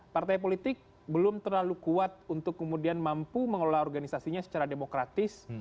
partai politik belum terlalu kuat untuk kemudian mampu mengelola organisasinya secara demokratis